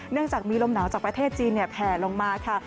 เนื่องจากมีลมหนาวจากประเทศจีนแผ่ลงมาค่ะ